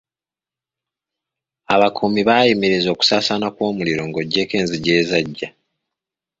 Abakuumi baayimiriza okusaasaana kw'omuliro ng'ogyeko enzigi ezaggya.